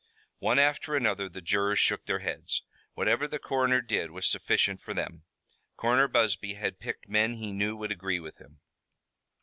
One after another the jurors shook their heads. Whatever the coroner did was sufficient for them. Coroner Busby had picked men he knew would agree with him.